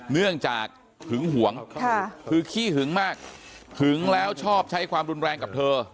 เนื่องจากหึงหวงคือขี้หึงมากหึงแล้วชอบใช้ความรุนแรงกับเธอ